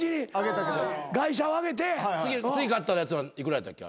次買ったやつは幾らやったっけ？